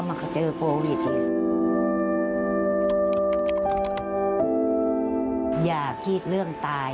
สวัสดีค่ะสวัสดีค่ะ